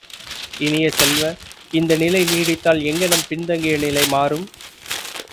இனிய செல்வ, இந்த நிலை நீடித்தால் எங்ஙனம் பின்தங்கிய நிலை மாறும்?